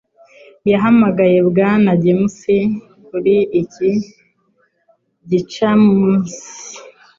Yahamagaye Bwana James kuri iki gicamunsi